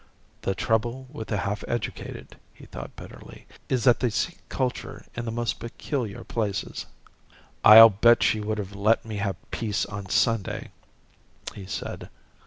The trouble with the half educated, he thought bitterly, is that they seek culture in the most peculiar places. "I'll bet she would have let me have peace on Sunday," he said.